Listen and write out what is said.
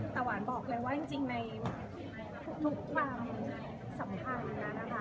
ตะหวานบอกเลยว่าจริงในทุกความสำคัญนะคะ